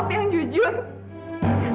memang dia benar itu